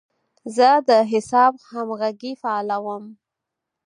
زه د حساب همغږي فعالوم.